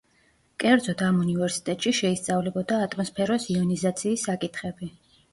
კერძოდ ამ უნივერსიტეტში შეისწავლებოდა ატმოსფეროს იონიზაციის საკითხები.